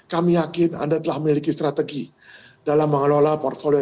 kami yakin anda telah memiliki strategi dalam mengelola portfolio